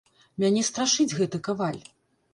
Мяне страшыць гэты каваль.